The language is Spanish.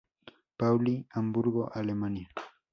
Pauli, Hamburgo, Alemania.